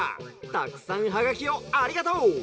たくさんハガキをありがとう。